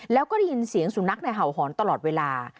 แล้วก็ได้ยินเสียงสุนัขเห่าหอนตลอดเวลา